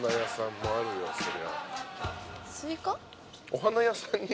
お花屋さんに？